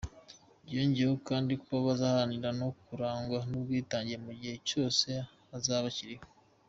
Yongeyeho kandi ko bazaharanira no kurangwa n’ubwitange mu gihe cyose bazaba bakiriho.